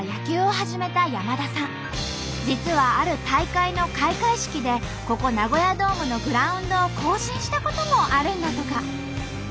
実はある大会の開会式でここナゴヤドームのグラウンドを行進したこともあるんだとか。